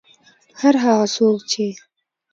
هر هغه څوک چې